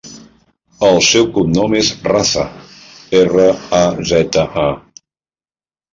El seu cognom és Raza: erra, a, zeta, a.